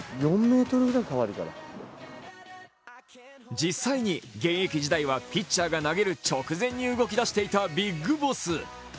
実際に現役時代はピッチャーが投げる直前に動き出していたビッグボス。